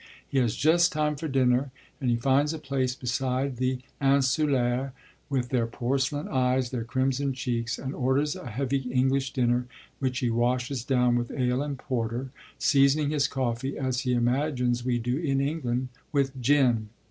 He has just time for dinner, and he finds a place beside the insulaires, with 'their porcelain eyes, their crimson cheeks,' and orders a heavy English dinner, which he washes down with ale and porter, seasoning his coffee, as he imagines we do in England, with gin.